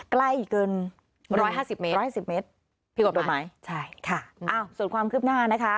ใกล้เกิน๑๕๐เมตรโดดไม้ใช่ค่ะส่วนความคลิบหน้านะคะ